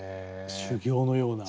修行のような。